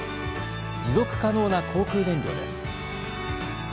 持続可能な航空燃料です。